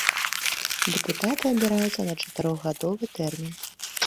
Дэпутаты абіраюцца на чатырохгадовы тэрмін.